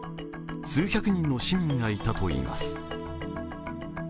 数百人の市民がいたといいます。